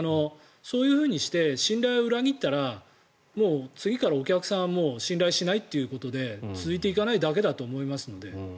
そういうふうにして信頼を裏切ったら次からお客さんは信頼しないということで続いていかないだけだと思いますので。